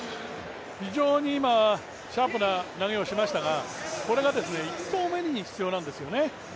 非常に今シャープな投げをしましたがこれが１投目に必要なんですよね。